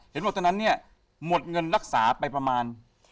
เห็นว่าตอนนั้นเนี่ยหมดเงินรักษาไปประมาณ